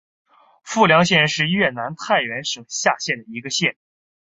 富良县是越南太原省下辖的一个县。